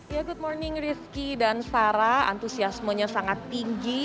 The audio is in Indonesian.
ya good morning rizky dan sarah antusiasmenya sangat tinggi